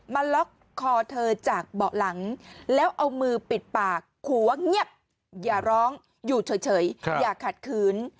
ล็อกคอเธอจากเบาะหลังแล้วเอามือปิดปากหัวเงียบอย่าร้องอยู่เฉยอย่าขัดขืน